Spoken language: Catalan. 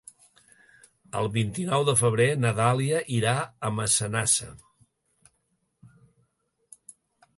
El vint-i-nou de febrer na Dàlia irà a Massanassa.